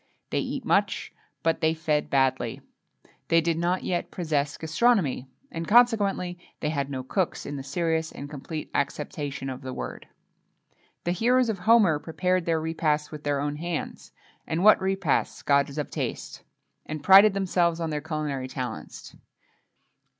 They eat much, but they fed badly. They did not yet possess gastronomy; and, consequently, they had no cooks, in the serious and complete acceptation of the word. The heroes of Homer prepared their repasts with their own hands, and what repasts, gods of taste! and prided themselves on their culinary talents.